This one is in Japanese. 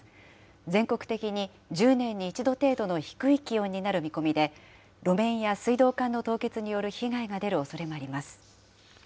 全国的に１０年に一度程度の低い気温になる見込みで、路面や水道管の凍結による被害が出るおそれがあります。